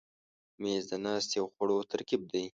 مېز د ناستې او خوړلو ترکیب دی.